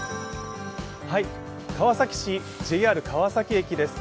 川崎市、ＪＲ川崎駅です。